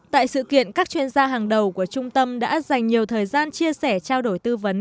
tại sự kiện các chuyên gia hàng đầu của trung tâm đã dành nhiều thời gian chia sẻ trao đổi tư vấn